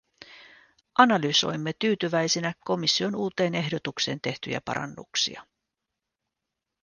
Analysoimme tyytyväisinä komission uuteen ehdotukseen tehtyjä parannuksia.